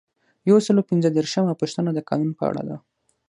یو سل او پنځه دیرشمه پوښتنه د قانون په اړه ده.